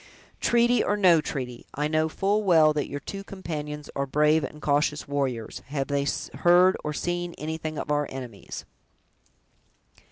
"Treaty or no treaty, I know full well that your two companions are brave and cautious warriors! have they heard or seen anything of our enemies?"